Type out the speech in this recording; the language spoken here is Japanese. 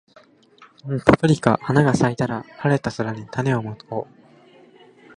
パプリカ花が咲いたら、晴れた空に種をまこう